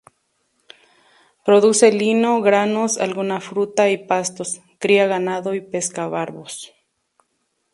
Produce lino, granos, alguna fruta y pastos; cría ganado y pesca barbos.